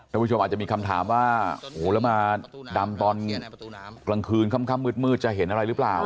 ผู้ชมอาจจะมีคำถามว่าโอ้โหแล้วมาดำตอนกลางคืนค่ำมืดจะเห็นอะไรหรือเปล่า